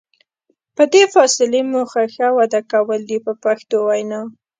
د دې فاصلې موخه ښه وده کول دي په پښتو وینا.